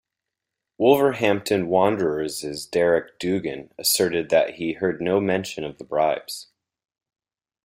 Wolverhampton Wanderers' Derek Dougan asserted that he heard no mention of the bribes.